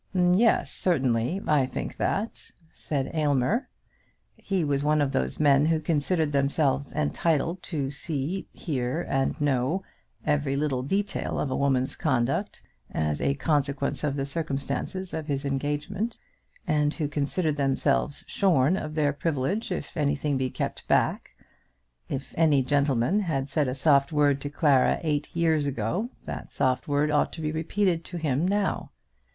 "Yes, certainly; I think that," said Aylmer. He was one of those men who consider themselves entitled to see, hear, and know every little detail of a woman's conduct, as a consequence of the circumstances of his engagement, and who consider themselves shorn of their privilege if anything be kept back. If any gentleman had said a soft word to Clara eight years ago, that soft word ought to be repeated to him now.